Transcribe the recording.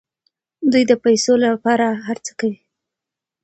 دوی د پیسو لپاره هر څه کوي.